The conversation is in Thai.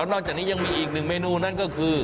นอกจากนี้ยังมีอีกหนึ่งเมนูนั่นก็คือ